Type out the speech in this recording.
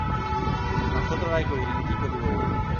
নক্ষত্ররায় কহিলেন, কী করিব বলুন।